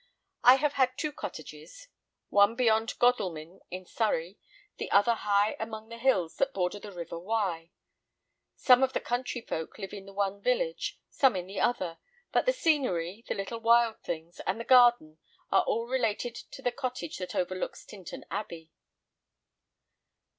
I have had two cottages, one beyond Godalming, in Surrey, the other high up among the hills that border the river Wye. Some of the country folk live in the one village, some in the other; but the scenery, the little wild things, and the garden are all related to the cottage that overlooks Tintern Abbey.